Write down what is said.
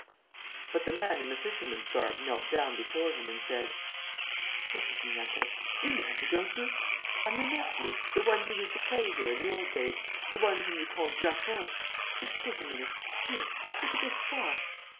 But the man in the fisherman's garb knelt down before him and said: "Look at me, uncle. You know me, don't you? I'm your nephew, the one who used to play here in the old days, the one whom you called Jacquot.... Just think a minute.... Here, look at this scar...."